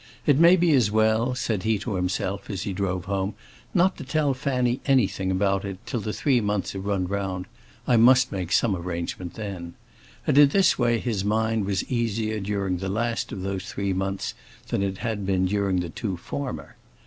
"It may be as well," said he to himself, as he drove home, "not to tell Fanny anything about it till the three months have run round. I must make some arrangement then." And in this way his mind was easier during the last of those three months than it had been during the two former.